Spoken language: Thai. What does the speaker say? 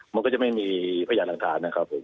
มันก็จะไม่มีพยานหลักฐานนะครับผม